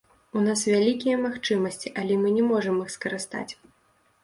У нас вялікія магчымасці, але мы не можам іх скарыстаць.